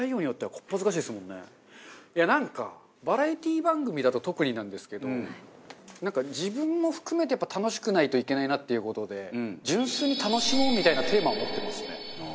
なんかバラエティー番組だと特になんですけど自分も含めて楽しくないといけないなっていう事で純粋に楽しもうみたいなテーマは持ってますね。